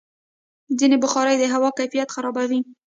ځینې بخارۍ د هوا کیفیت خرابوي.